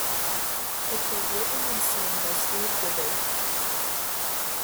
It was written and sung by Steve Diggle.